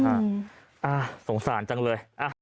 โอ้นะคะสงสารจังเลย